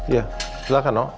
ya silahkan no